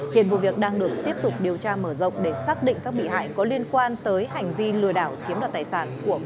hiện vụ việc đang được tiếp tục điều tra mở rộng để xác định các bị hại có liên quan tới hành vi lừa đảo chiếm đoạt tài sản của người